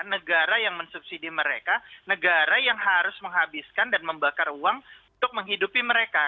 negara yang mensubsidi mereka negara yang harus menghabiskan dan membakar uang untuk menghidupi mereka